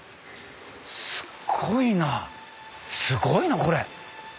すごいなすごいなこれ。